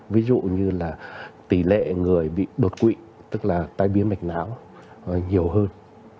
ví dụ như là tỷ lệ người bị đột quỵ tức là tai biến mạch não nhiều hơn